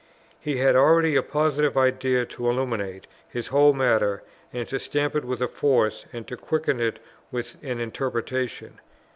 He had already a positive idea to illuminate his whole matter, and to stamp it with a force, and to quicken it with an interpretation.